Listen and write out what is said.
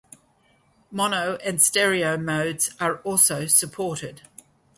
Mono and stereo modes are also supported.